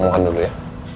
mohon dulu ya